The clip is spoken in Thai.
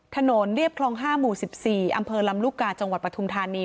ถนนเรียบคลองห้ามู่สิบสี่อำเภอลำรุกาจังหวัดปทุมธานี